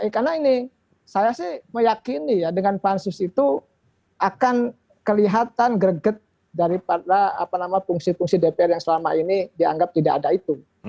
karena ini saya sih meyakini ya dengan pansus itu akan kelihatan greget daripada apa nama fungsi fungsi dpr yang selama ini dianggap tidak ada itu